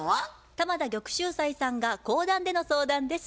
玉田玉秀斎さんが講談での相談です。